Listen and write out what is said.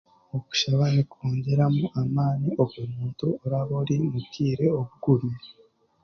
Okushaba nikwongyeramu amaani omu muntu oraaba ari omu bwire obugumire